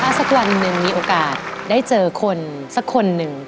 สักวันหนึ่งมีโอกาสได้เจอคนสักคนหนึ่ง